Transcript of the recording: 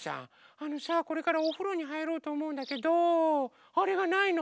あのさこれからおふろにはいろうとおもうんだけどあれがないの！